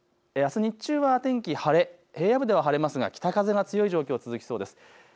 あす日中は天気晴れ、平野部では晴れますが北風が強い状況続きそうです。